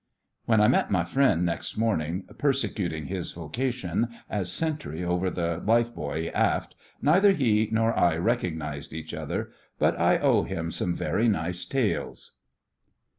When I met my friend next morning 'persecuting his vocation' as sentry over the lifebuoy aft neither he nor I recognised each other; but I owe him some very nice tales.